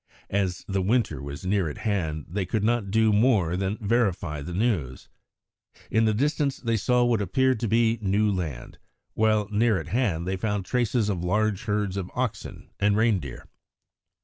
As the winter was near at hand, they could not do more than verify the news. In the distance they saw what appeared to be new land, while near at hand they found traces of large herds of oxen and reindeer.